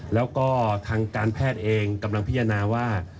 แล้วก็ทางการแพทย์เองกำลังพิจารณาว่า